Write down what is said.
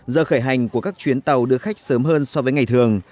giờ khởi hành của các chuyến tàu đưa khách sớm hơn so với ngày thường